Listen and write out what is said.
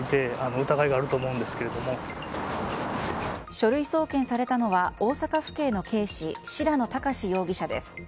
書類送検されたのは大阪府警の警視白野隆史容疑者です。